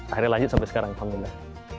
akhirnya lanjut sampai sekarang alhamdulillah